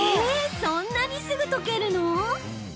そんなにすぐ溶けるの？